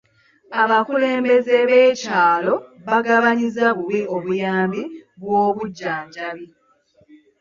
Abakulembeze b'ekyalo baagabanyizza bubi obuyambi bw'obujjanjabi.